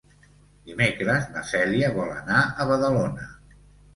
Dimecres na Cèlia vol anar a Badalona.